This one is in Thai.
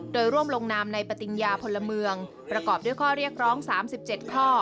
โดยร่วมลงนามในปฏิญญาพลเมืองประกอบด้วยข้อเรียกร้อง๓๗ข้อ